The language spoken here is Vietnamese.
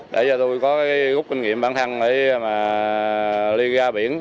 để cho tôi có gốc kinh nghiệm bản thân để liên gia biển